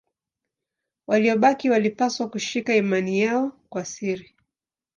Waliobaki walipaswa kushika imani yao kwa siri.